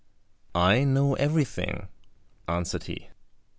"I know everything," answered he.